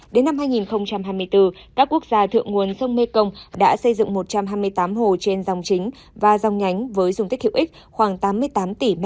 đến năm hai nghìn hai mươi bốn các quốc gia thượng nguồn sông mekong đã xây dựng một trăm hai mươi tám hồ trên dòng chính và dòng nhánh với dung tích hiệu ích khoảng tám mươi tám tỷ m hai